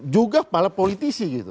juga kepala politisi